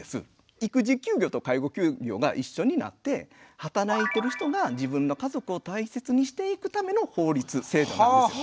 育児休業と介護休業が一緒になって働いてる人が自分の家族を大切にしていくための法律制度なんです。